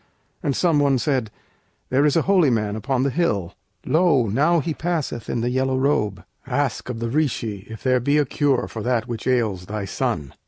And some one said, 'There is a holy man upon the hill Lo! now he passeth in the yellow robe; Ask of the Rishi if there be a cure For that which ails thy son.'